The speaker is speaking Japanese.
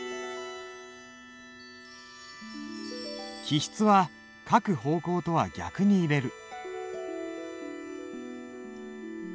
起筆は書く方向とは逆に入れる。